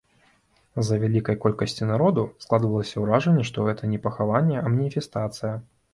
З-за вялікай колькасці народу складвалася ўражанне, што гэта не пахаванне, а маніфестацыя.